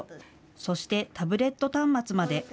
そしてタブレット端末まで。